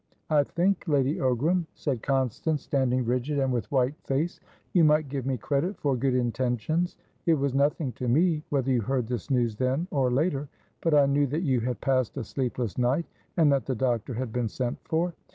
"I think, Lady Ogram," said Constance, standing rigid and with white face, "you might give me credit for good intentions. It was nothing to me whether you heard this news then or later; but I knew that you had passed a sleepless night, and that the doctor had been sent for."